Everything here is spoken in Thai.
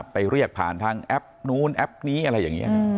ไปเรียกผ่านทางแอปนู้นแอปนี้อะไรอย่างนี้